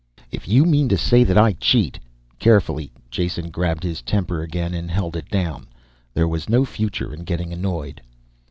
"If you mean to say that I cheat " Carefully, Jason grabbed his temper again and held it down. There was no future in getting annoyed.